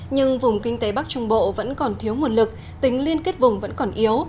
nhưng vùng kinh tế bắc trung bộ vẫn còn thiếu nguồn lực tính liên kết vùng vẫn còn yếu